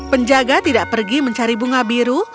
penjaga tidak pergi mencari bunga biru